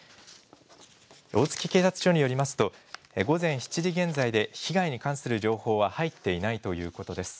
大月警察署によりますと、午前７時現在で被害に関する情報は入っていないということです。